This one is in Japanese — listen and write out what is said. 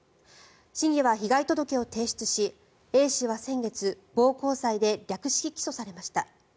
市議は被害届を提出しＡ氏は先月暴行罪で略式起訴されました。